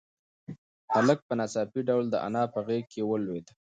هلک په ناڅاپي ډول د انا په غېږ کې ولوېد.